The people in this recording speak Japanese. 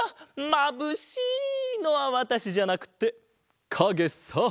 「まぶしい！」のはわたしじゃなくてかげさ！